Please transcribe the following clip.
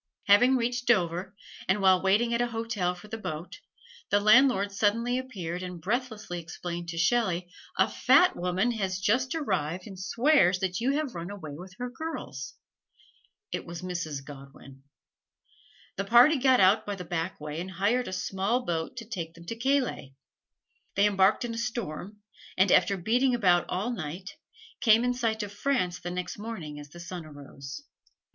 Having reached Dover, and while waiting at a hotel for the boat, the landlord suddenly appeared and breathlessly explained to Shelley, "A fat woman has just arrived and swears that you have run away with her girls!" It was Mrs. Godwin. The party got out by the back way and hired a small boat to take them to Calais. They embarked in a storm, and after beating about all night, came in sight of France the next morning as the sun arose.